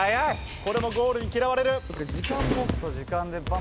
これもゴールに嫌われる。